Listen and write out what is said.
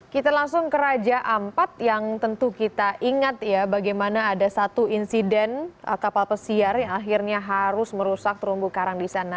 kita langsung ke raja ampat yang tentu kita ingat ya bagaimana ada satu insiden kapal pesiar yang akhirnya harus merusak terumbu karang di sana